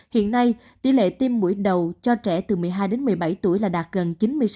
hiện nay tỷ lệ tiêm mũi đầu cho trẻ từ một mươi hai đến một mươi bảy tuổi là đạt gần chín mươi sáu